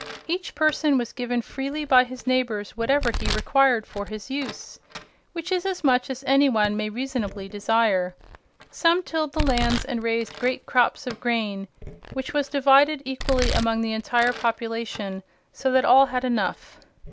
Each person was given freely by his neighbors whatever he required for his use, which is as much as any one may reasonably desire. Some tilled the lands and raised great crops of grain, which was divided equally among the entire population, so that all had enough.